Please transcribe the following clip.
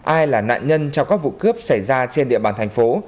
ai là nạn nhân trong các vụ cướp xảy ra trên địa bàn thành phố